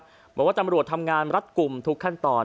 บอกว่าตำรวจทำงานรัฐกลุ่มทุกขั้นตอน